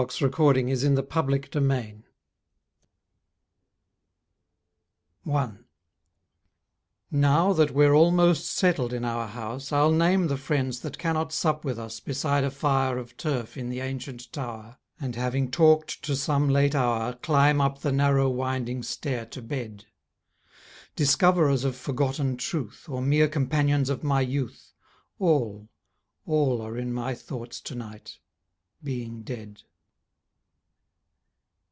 IN MEMORY OF MAJOR ROBERT GREGORY 1 Now that we're almost settled in our house I'll name the friends that cannot sup with us Beside a fire of turf in the ancient tower, And having talked to some late hour Climb up the narrow winding stair to bed: Discoverers of forgotten truth Or mere companions of my youth, All, all are in my thoughts to night, being dead.